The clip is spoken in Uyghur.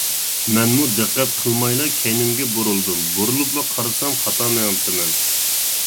مەنمۇ دىققەت قىلمايلا كەينىمگە بۇرۇلدۇم، بۇرۇلۇپلا قارىسام خاتا مېڭىپتىمەن.